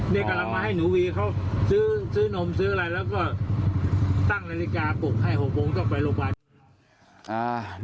มาให้หนูวีเขาซื้อนมซื้ออะไรแล้วก็ตั้งนาฬิกาปกให้หกโปรงต้องไปโรงพยาบาล